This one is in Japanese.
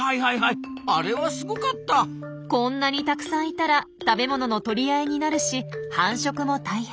こんなにたくさんいたら食べ物の取り合いになるし繁殖も大変。